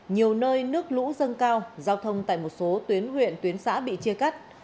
nhiều nơi nước lũ dâng cao giao thông tại một số tuyến huyện tuyến xã bị chia cắt